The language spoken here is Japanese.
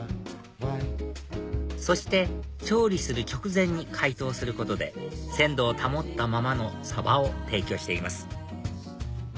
そして調理する直前に解凍することで鮮度を保ったままのサバを提供しています